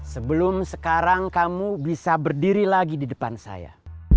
sebelum sekarang kamu bisa berdiri lagi di depan saya